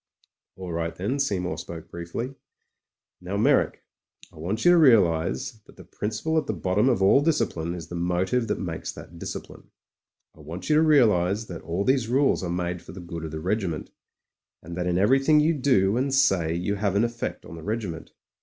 'AH right then," Seymour spoke briefly. '''Now, Meyrick, I want you to realise that the principle at the bottom of all discipline is the motive that makes that discipline. I want you to realise that all these rules are made for the good of the regiment, and that in everything you do and say you have an effect on the regiment.